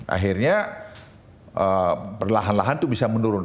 akhirnya perlahan lahan itu bisa menurun